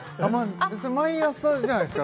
それ毎朝じゃないですか？